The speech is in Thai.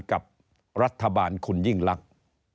กับรัฐบาลคุณยิ่งลักษณ์